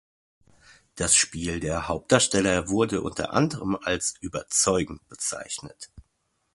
Das Spiel der Hauptdarsteller wurde unter anderem als „überzeugend“ bezeichnet.